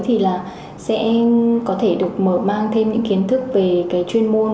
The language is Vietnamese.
thì là sẽ có thể được mở mang thêm những kiến thức về cái chuyên môn